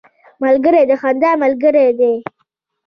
ملګری د خندا ملګری دی